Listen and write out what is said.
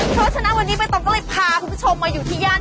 ว่าร้านนี้ปกติคิวก็ยาวแล้วนะ